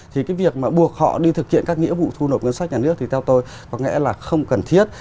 thì cái việc mà buộc họ đi thực hiện các nghĩa vụ thu nộp ngân sách nhà nước thì theo tôi có nghĩa là không cần thiết